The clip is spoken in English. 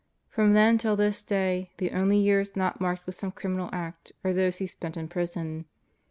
From then till this day, the only years not marked with some criminal act are those he spent in prison.